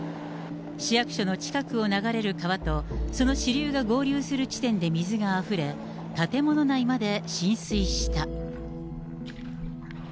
市役所の近くを流れる川と、その支流が合流する地点で水があふれ、建物内まで浸水した。